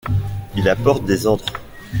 Il apporte des ordres.